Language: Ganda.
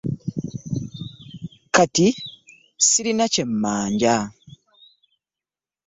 Kati ssirina kye mmanja.